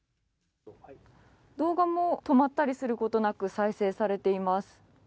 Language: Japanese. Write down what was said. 動画も止まったりすることなく再生されています。